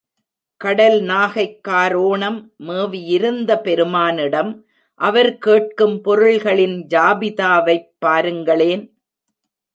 கடல் நாகைக் காரோணம் மேவியிலிருந்த பெருமானிடம் அவர் கேட்கும் பொருள்களின் ஜாபிதா வைப் பாருங்களேன்.